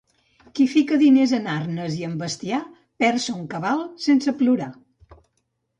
Qui fica diners en arnes i en bestiar, perd son cabal sense plorar.